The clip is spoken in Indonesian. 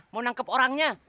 mau nangkep orangnya